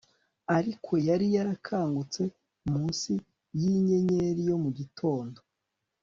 Ariko yari yarakangutse munsi yinyenyeri yo mu gitondo